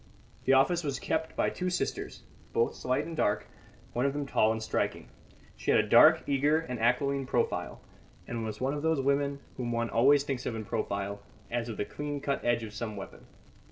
The office was kept by two sisters, both slight and dark, one of them tall and striking. She had a dark, eager and aquiline profile, and was one of those women whom one always thinks of in profile, as of the clean cut edge of some weapon.